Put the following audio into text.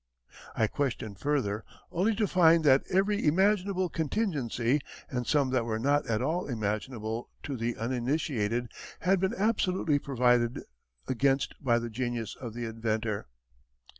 I questioned further, only to find that every imaginable contingency, and some that were not at all imaginable to the uninitiated, had been absolutely provided against by the genius of the inventor.